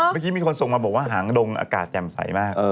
มีคนส่งมาบอกว่าหางดงอากาศแจ่มใสมาก